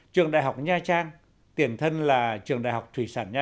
trường đại học nha trang tiền thân là trường đại học thủy sản nha